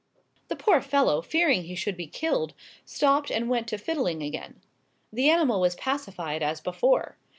The poor fellow, fearing he should be killed, stopped, and went to fiddling again. The animal was pacified, as before.